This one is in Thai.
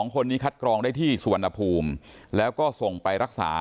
๒คนนี้คัดกรองได้ที่สุวรรณภูมิแล้วก็ส่งไปรักษา